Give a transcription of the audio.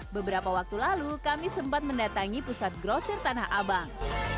beberapa waktu lalu kami sempat mendatangi pusat grosir tanah abang